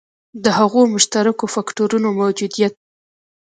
د هغو مشترکو فکټورونو موجودیت.